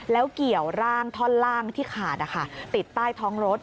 แล้วเกี่ยวร่างท่อนล่างที่ขาดติดใต้ท้องรถ